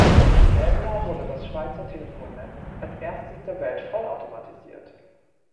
Im selben Jahr wurde das Schweizer Telefonnetz als erstes der Welt vollautomatisiert.